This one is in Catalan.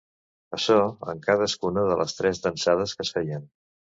Açò en cadascuna de les tres dansades que es feien.